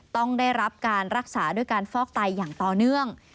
ต้องได้รับการรักษาด้วยการฟอกไตอย่างต่อเนื่อง